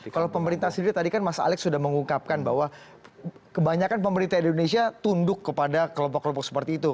kalau pemerintah sendiri tadi kan mas alex sudah mengungkapkan bahwa kebanyakan pemerintah indonesia tunduk kepada kelompok kelompok seperti itu